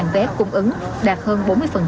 tám mươi tám vé cung ứng đạt hơn bốn mươi